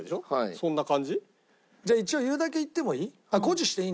そんな感じ？じゃあ一応言うだけ言ってもいい？